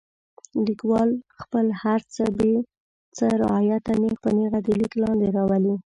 لیکوال خپل هر څه بې څه رعایته نیغ په نیغه د لیک لاندې راولي.